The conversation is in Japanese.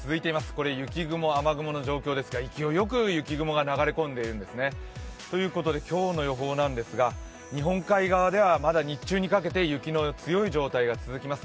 これ雪雲、雨雲の状況ですが、勢いよく雪雲が流れ込んでいるんですね。ということで今日の予報なんですが日本海側ではまだ日中にかけて雪の強い状態が続きます。